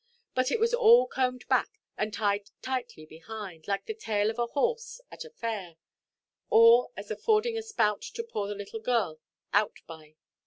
But it was all combed back, and tied tightly behind, like the tail of a horse at a fair, or as affording a spout to pour the little girl out by.